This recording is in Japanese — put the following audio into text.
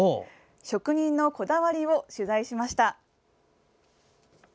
職人のこだわりを取材しました。